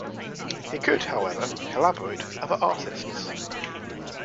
He could, however, collaborate with other artists.